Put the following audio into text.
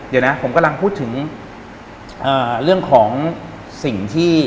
เดี๋ยวนะผมกำลังพูดถึงเรื่องของสิ่งที่